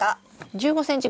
１５ｃｍ。